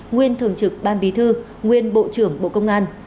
nguyên thường trực ban bí thư nguyên bộ trưởng bộ công an